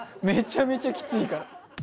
めちゃめちゃキツイから。